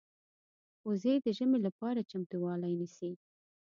وزې د ژمې لپاره چمتووالی نیسي